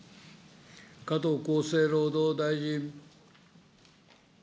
加藤厚生労働大臣。